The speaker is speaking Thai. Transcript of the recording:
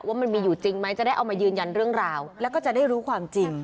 ว่ามันมีอยู่จริงไหมจะได้เอามายืนยันเรื่องราวแล้วก็จะได้รู้ความจริง